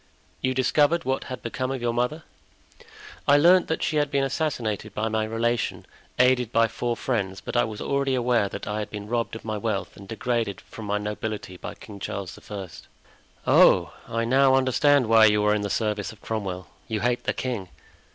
"You discovered what had become of your mother?" "I learned that she had been assassinated by my relation, aided by four friends, but I was already aware that I had been robbed of my wealth and degraded from my nobility by King Charles I." "Oh! I now understand why you are in the service of Cromwell; you hate the king."